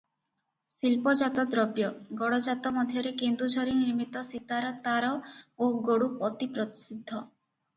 ଶିଳ୍ପଜାତଦ୍ରବ୍ୟ—ଗଡ଼ଜାତ ମଧ୍ୟରେ କେନ୍ଦୁଝରୀ ନିର୍ମିତ ସିତାର ତାର ଓ ଗଡ଼ୁ ଅତି ପ୍ରସିଦ୍ଧ ।